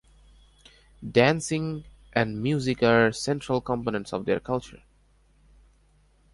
Dancing and music are central components of their culture.